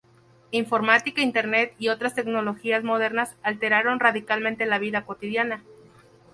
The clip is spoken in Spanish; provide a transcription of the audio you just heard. Informática, Internet y otras tecnologías modernas alteraron radicalmente la vida cotidiana.